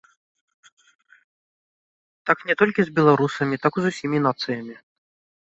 Так не толькі з беларусамі, так з усімі нацыямі.